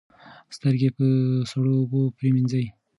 سترګې په سړو اوبو پریمنځئ.